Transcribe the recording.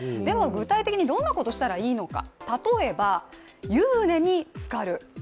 具体的にどんなことをしたらいいのか。